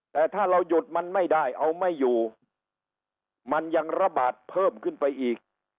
แต่ถ้าเราหยุดมันไม่ได้เอาไม่อยู่มันยังระบาดเพิ่มขึ้นไปอีก